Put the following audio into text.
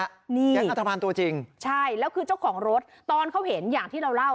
แก๊งอัธภัณฑ์ตัวจริงใช่แล้วคือเจ้าของรถตอนเขาเห็นอย่างที่เราเล่า